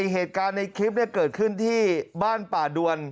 เหตุการณ์ในคลิปเกิดขึ้นที่บ้านป่าดวน